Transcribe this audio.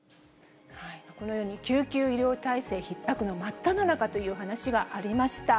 このように救急医療体制ひっ迫の真っただ中という話がありました。